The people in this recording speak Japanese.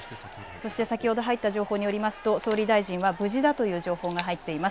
そして先ほど入った情報によりますと総理大臣は無事だという情報が入っています。